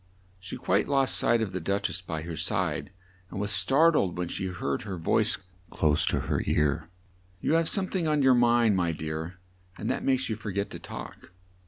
She quite lost sight of the Duch ess by her side, and was star tled when she heard her voice close to her ear. "You have some thing on your mind, my dear, and that makes you for get to talk.